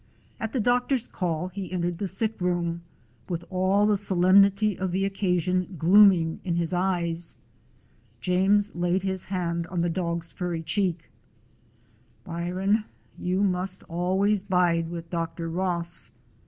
At the doctor's call he entered the sick room, with all the solemnity of the occasion glooming in his eyes. James laid his hand on the dog's furry cheek. "Byron, you must always bide with Dr. 130 A DOG OF SCOTLAND Ross.